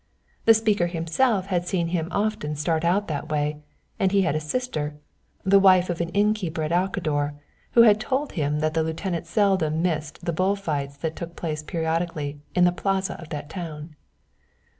The speaker himself had seen him often start out that way, and he had a sister, the wife of an innkeeper at Alcador, who had told him that the lieutenant seldom missed the bull fights that took place periodically in the Plaza of that town.